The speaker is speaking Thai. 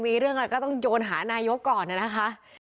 มีเรื่องอะไรก็ต้องโยนหานายกก่อนนะคะ